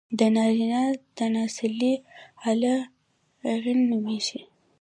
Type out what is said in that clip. د نارينه تناسلي اله، غيڼ نوميږي.